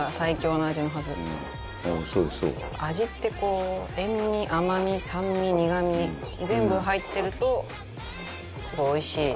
味ってこう塩味甘味酸味苦味全部入ってるとすごいおいしい。